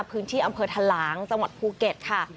พื้นที่อำเภอทะหลางจังหวัดภูเก็ตค่ะ